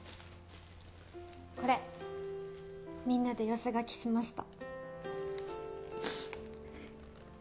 これみんなで寄せ書きしました。